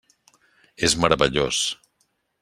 És meravellós.